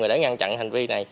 và để ngăn chặn đối tượng